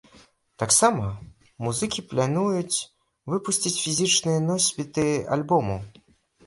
Таксама музыкі плануюць выпусціць фізічныя носьбіты альбому.